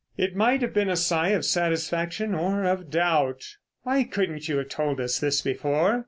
It might have been a sigh of satisfaction or of doubt. "Why couldn't you have told us this before?